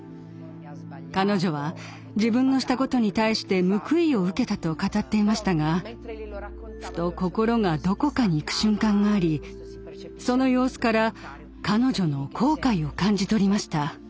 彼女は「自分のしたことに対して報いを受けた」と語っていましたがふと心がどこかにいく瞬間がありその様子から彼女の後悔を感じ取りました。